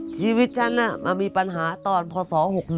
ชีวิตฉันมามีปัญหาตอนพศ๖๑